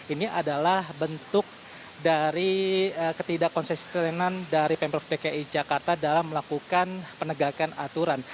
ini adalah bentuk dari ketidak konsistenan dari pemprov dki jakarta dalam melakukan penegakan aturan